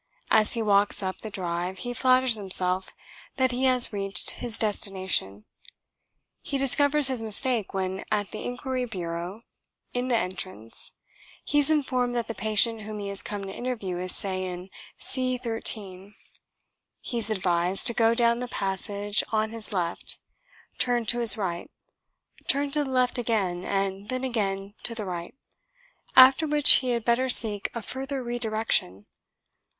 As he walks up the drive he flatters himself that he has reached his destination. He discovers his mistake when, at the inquiry bureau in the entrance, he is informed that the patient whom he has come to interview is (say) in "C 13." He is advised to go down the passage on his left, turn to his right, turn to the left again and then again to the right after which he had better seek a further re direction.